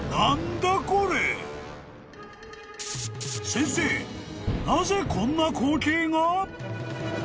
［先生なぜこんな光景が？］